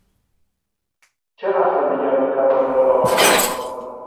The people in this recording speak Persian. چه وقت دیگر میتوانیم ملاقات کنیم؟